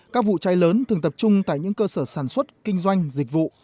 các vụ cháy lớn thường tập trung tại những cơ sở sản xuất kinh doanh dịch vụ